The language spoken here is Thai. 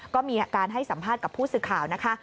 ก็มีอาการให้สัมภาษณ์กับผู้สื่อข่าวนะคะ